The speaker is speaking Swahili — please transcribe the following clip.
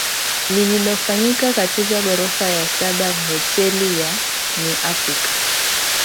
lililofanyika katika ghorofa ya saba ya Hoteli ya New Africa